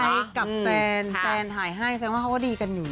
กับแฟนแฟนถ่ายให้แสดงว่าเขาก็ดีกันอยู่